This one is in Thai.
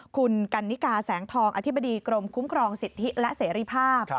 คุณกันนิกาแสงทองอธิบดีกรมคุ้มครองสิทธิและเสรีภาพ